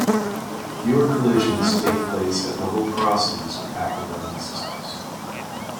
Fewer collisions take place at level crossings with active warning systems.